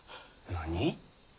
何？